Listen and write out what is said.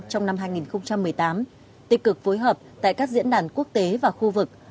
trong năm hai nghìn một mươi tám tích cực phối hợp tại các diễn đàn quốc tế và khu vực